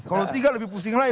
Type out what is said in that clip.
kalau tiga lebih pusing lagi